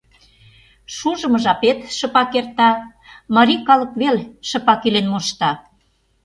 Шужымо жапет шыпак эрта...Марий калык веле шыпак илен мошта...